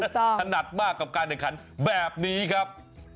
ถนัดมากกับการแข่งขันแบบนี้ครับ